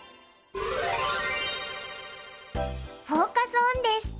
フォーカス・オンです。